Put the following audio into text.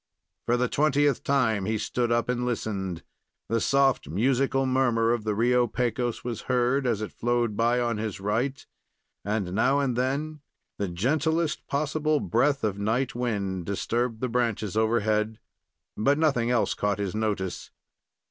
For the twentieth time he stood up and listened. The soft, musical murmur of the Rio Pecos was heard, as it flowed by on his right, and now and then the gentlest possible breath of night wind disturbed the branches overhead; but nothing else caught his notice.